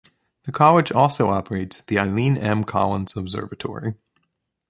The college also operates the Eileen M. Collins Observatory.